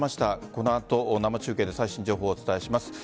この後生中継で最新情報をお伝えします。